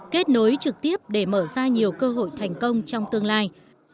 kết nối trực tiếp để mở ra nhiều cơ hội thành công trong tương lai